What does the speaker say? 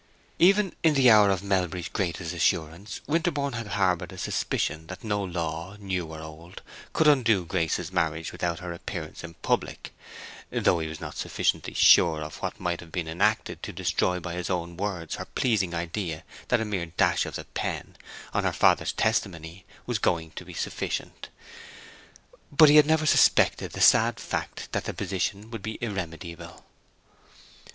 Even in the hour of Melbury's greatest assurance Winterborne had harbored a suspicion that no law, new or old, could undo Grace's marriage without her appearance in public; though he was not sufficiently sure of what might have been enacted to destroy by his own words her pleasing idea that a mere dash of the pen, on her father's testimony, was going to be sufficient. But he had never suspected the sad fact that the position was irremediable.